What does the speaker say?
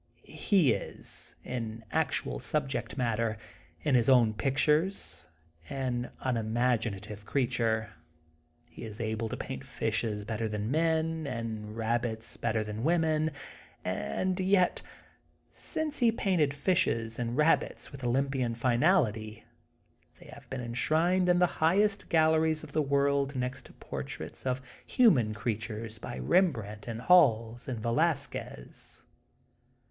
He is, in actual subject matter, in his own pictures an unimaginative creature. He is able to paint £shes better than men and rabbits better than women, and yet, since he painted fishes and rabbits with Olympian finality, they have been enshrined in the high est galleries of the world next to portraits of human creatures by Rembrandt and Hals and Velasquez.